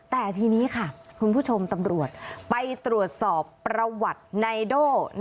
แต่ทีนี้ค่ะคุณผู้ชมตำรวจไปตรวจสอบประวัตินายโด่